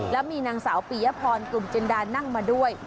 แล้วมีนางสาวปียพรกลุ่มจินดานั่งมาด้วย